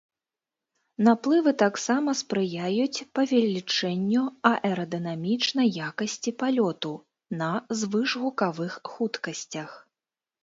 Наплывы таксама спрыяюць павелічэнню аэрадынамічнай якасці палёту на звышгукавых хуткасцях.